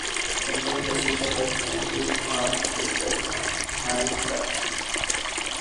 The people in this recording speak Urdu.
لندن جیسے شہرمیں بیشمار تھیٹر ہیں‘نائٹ کلب ہیں۔